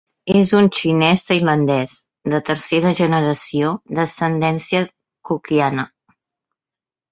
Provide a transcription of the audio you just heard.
És un xinès tailandès de tercera generació d'ascendència hokkiana.